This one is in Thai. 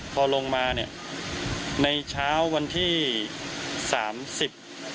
พอลงมาเนี้ยในเช้าวันที่สามสิบ